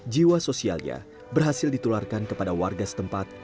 jiwa sosialnya berhasil ditularkan kepada warga setempat